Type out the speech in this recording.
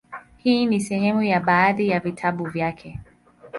Hii ni sehemu ya baadhi ya vitabu vyake;